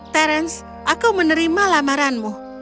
terence aku menerima lamaranmu